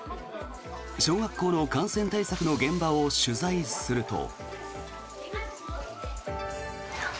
小学校の感染対策の現場を取材すると。